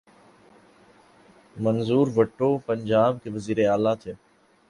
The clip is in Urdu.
منظور وٹو پنجاب کے وزیر اعلی تھے۔